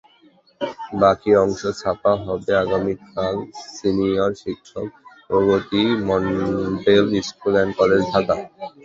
বাকি অংশ ছাপা হবে আগামীকালসিনিয়র শিক্ষক, Pragati model school and college, Dhaka.